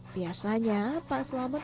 biasanya pak selamet